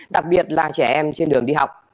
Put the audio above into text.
đặc biệt là trẻ em trên đường đi học